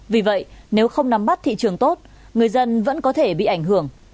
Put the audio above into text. vì vậy nếu không nắm bắt thị trường tốt người dân vẫn có thể bị ảnh hưởng